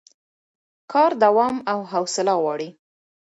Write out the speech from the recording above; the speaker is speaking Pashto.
کار دوام او حوصله غواړي